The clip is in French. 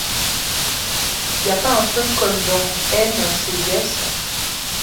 Y’a pas un truc comme dans « Haine c’est yes »?